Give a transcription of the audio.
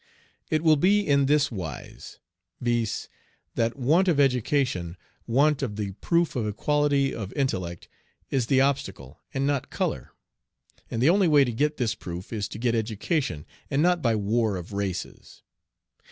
It will be in this wise, viz., that want of education, want of the proof of equality of intellect, is the obstacle, and not color. And the only way to get this proof is to get education, and not by "war of races."